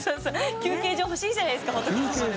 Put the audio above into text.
休憩所欲しいじゃないですか、仏様も。